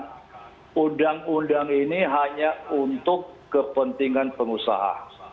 dan undang undang ini hanya untuk kepentingan pengusaha